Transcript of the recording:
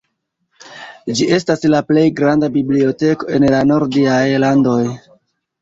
Ĝi estas la plej granda biblioteko en la nordiaj landoj.